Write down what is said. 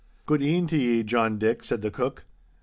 'Good e'en to ye, John Dick,' said the cook.